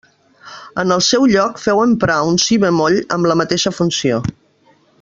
En el seu lloc feu emprar un si bemoll amb la mateixa funció.